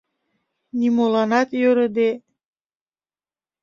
Нимоланат йӧрыде...